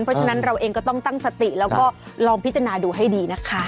เพราะฉะนั้นเราเองก็ต้องตั้งสติแล้วก็ลองพิจารณาดูให้ดีนะคะ